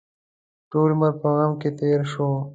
ټول عمر په غم کې تېر شو.